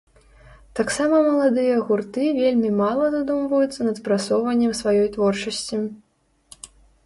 Таксама маладыя гурты вельмі мала задумваюцца над прасоўваннем сваёй творчасці.